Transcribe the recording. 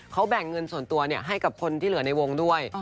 เขาแบ่งเงินส่วนตัวให้กับคนที่เหลือในวงด้วย